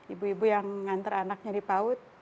ibu ibu yang mengantar anaknya di paut